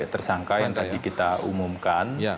tersangka yang tadi kita umumkan